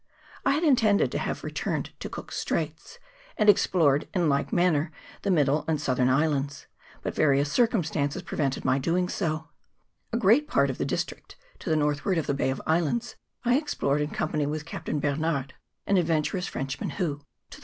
I had intended to have re turned to Cook's Straits, and explored in like man ner the middle and southern islands, but various circumstances prevented my doing so. A great part of the district to the northward of the Bay of Islands I explored in company with Captain Bernard, an adventurous Frenchman, who, 198 NORTHERN ISLAND.